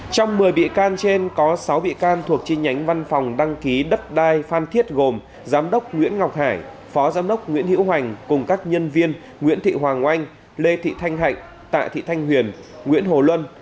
trong một mươi bị can trên có sáu bị can thuộc chi nhánh văn phòng đăng ký đất đai phan thiết gồm giám đốc nguyễn ngọc hải phó giám đốc nguyễn hữu hoành cùng các nhân viên nguyễn thị hoàng oanh lê thị thanh hạnh tạ thị thanh huyền nguyễn hồ luân